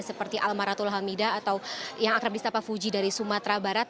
seperti almarhatul hamida atau yang akrab di setapak fuji dari sumatera barat